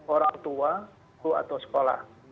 orang tua guru atau sekolah